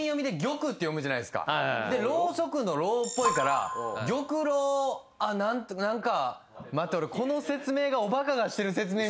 でろうそくの「ろう」っぽいからぎょくろう何か。